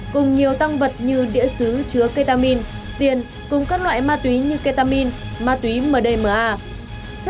cùng nhiều tăng vật như đĩa xứ chứa ketamin tiền cùng các loại ma túy như ketamin ma túy mdma